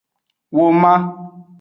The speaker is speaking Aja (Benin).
Woman.